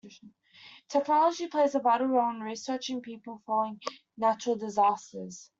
Technology plays a vital role in reaching people following natural disasters.